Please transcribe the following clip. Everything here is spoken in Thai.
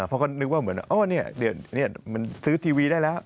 เพราะก็นึกว่าเหมือนมันซื้อทีวีได้แล้ว